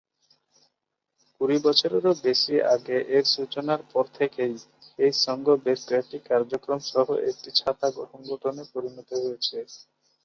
কুড়ি বছরেরও বেশি আগে এর সূচনার পর থেকেই, এই সংঘ বেশ কয়েকটি কার্যক্রম সহ একটি ছাতা সংগঠনে পরিণত হয়েছে।